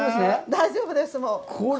大丈夫です。